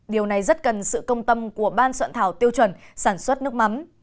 điều này rất cần sự công tâm của ban soạn thảo tiêu chuẩn sản xuất nước mắm